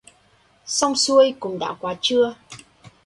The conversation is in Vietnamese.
Xong xuôi cũng đã quá trưa